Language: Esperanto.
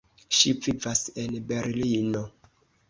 Ŝi vivas en Berlino.